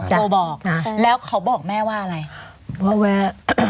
โทรบบอกแต่แล้วเขาบอกแม่ว่าอะไร